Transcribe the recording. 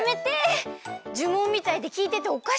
じゅもんみたいできいてておかしくなりそう！